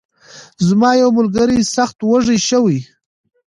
زما یو ملګری سخت وږی شوی.